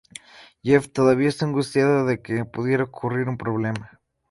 Jeff todavía está angustiado de que pudiera ocurrir un problema.